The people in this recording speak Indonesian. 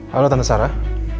halo tante sarah